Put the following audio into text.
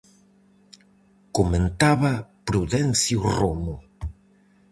Comentaba Prudencio Romo: